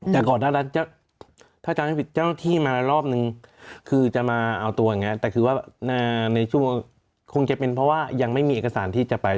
แต่ก่อนหน้านั้นถ้าจำให้ผิดเจ้าหน้าที่มารอบนึงคือจะมาเอาตัวอย่างนี้แต่คือว่าในช่วงคงจะเป็นเพราะว่ายังไม่มีเอกสารที่จะไป